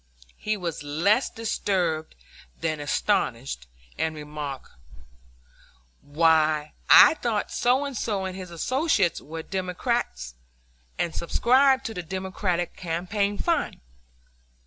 He was less disturbed than astonished, and remarked, "Why, I thought So and so and his associates were Democrats and subscribed to the Democratic campaign fund."